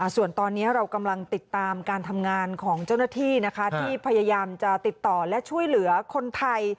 ส่วนตอนนี้เรากำลังติดตามการทำงานของเจ้าหน้าที่ที่พยายามจะติดต่อและช่วยเหลือคนไทย